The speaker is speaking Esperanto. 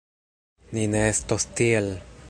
Ni ne estos tiel!